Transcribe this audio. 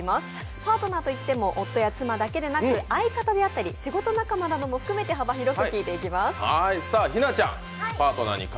パートナーといっても夫や妻だけでなく、仕事仲間も含めて、幅広く聞いていきます。